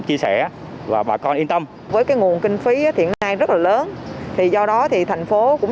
chia sẻ và bà con yên tâm với cái nguồn kinh phí hiện nay rất là lớn thì do đó thì thành phố cũng